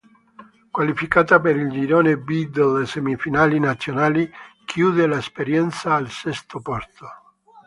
Qualificata per il girone B delle semifinali nazionali, chiude l'esperienza al sesto posto.